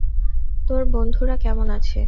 তোর বন্ধুরা কেমন আছে?